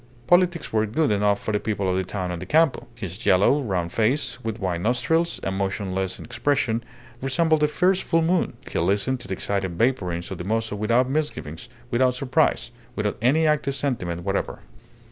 Politics were good enough for the people of the town and the Campo. His yellow, round face, with wide nostrils, and motionless in expression, resembled a fierce full moon. He listened to the excited vapourings of the mozo without misgivings, without surprise, without any active sentiment whatever.